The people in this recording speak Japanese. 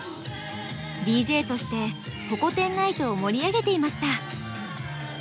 ＤＪとしてホコ天ナイトを盛り上げていました。